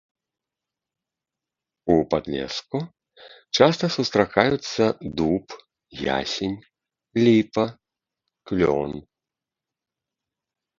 У падлеску часта сустракаюцца дуб, ясень, ліпа, клён.